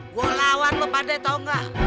gua lawan lo padahal tau gak